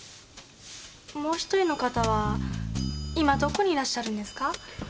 もう１人の方は今どこにいらっしゃるんですか？